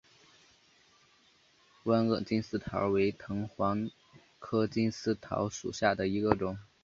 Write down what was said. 弯萼金丝桃为藤黄科金丝桃属下的一个种。